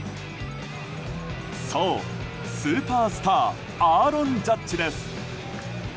そう、スーパースターアーロン・ジャッジです。